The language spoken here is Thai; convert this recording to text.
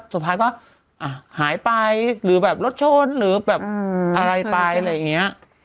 สุดท้ายก็อ่ะหายไปหรือบ๊วยบ๊ายรถโชนหรืออะไรไปอะไรอย่างเงี้ย